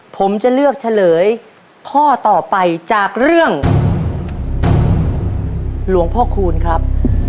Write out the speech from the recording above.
ผมจะเลือกเฉลยข้อต่อไปจากเรื่องหลวงพ่อคูณครับ